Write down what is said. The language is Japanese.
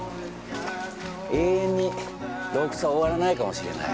永遠に洞窟は終わらないかもしれない。